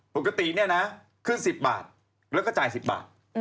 ปกติเนี่ยนะขึ้น๑๐บาทแล้วก็จ่าย๑๐บาท